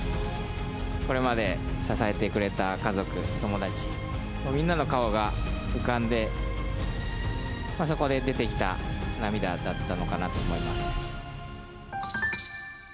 これまで支えてくれた家族、友達、みんなの顔が浮かんでそこで出てきた涙だったのかなと思います。